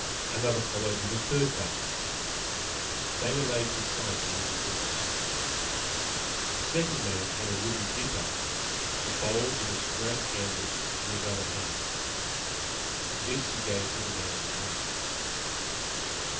Another followed with a third bucket. They were laid beside the wooden horse. The second man had a wooden dipper a bowl with a straight handle in his other hand. This he gave to the man in black.